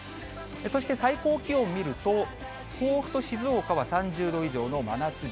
そして最高気温を見ると、甲府と静岡は３０度以上の真夏日。